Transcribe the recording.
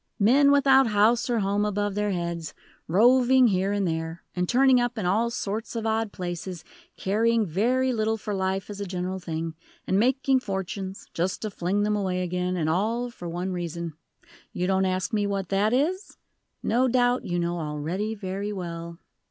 "Men, without house or home above their heads, roving here and there, and turning up in all sorts of odd places; caring very little for life as a general thing, and making fortunes just to fling them away again, and all for one reason. You don't ask me what that is? No doubt you know already very well."